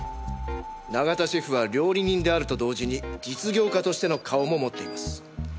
永田シェフは料理人であると同時に実業家としての顔も持っています。